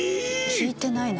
聞いてないな。